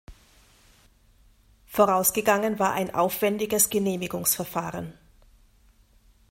Vorausgegangen war ein aufwändiges Genehmigungsverfahren.